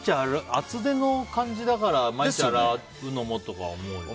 厚手の感じだから毎日洗うのもとかは思うよね。